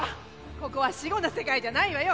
ここは死後の世界じゃないわよ。